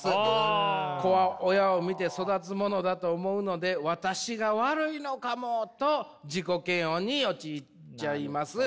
子は親を見て育つものだと思うので私が悪いのかもと自己嫌悪に陥っちゃいます。